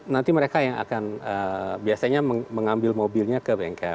nanti mereka yang akan biasanya mengambil mobilnya ke bengkel